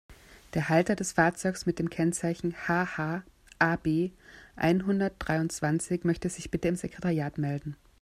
Der Halter des Fahrzeugs mit dem Kennzeichen HH-AB-einhundertdreiundzwanzig möchte sich bitte im Sekretariat melden.